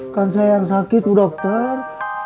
kan saya yang sakit bu dokter